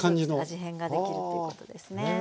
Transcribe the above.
味変ができるということですね。